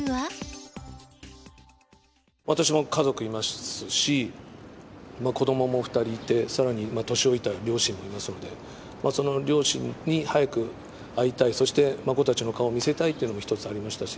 私も家族いますし、子どもも２人いて、さらに年老いた両親もいますので、その両親に早く会いたい、そして孫たちの顔を見せたいというのも一つありましたし。